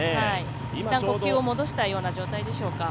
呼吸を戻したような状態でしょうか。